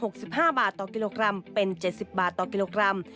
ขึ้นจาก๖๕บาทต่อกิโลกรัมเป็น๗๐บาทต่อกิโลกรัม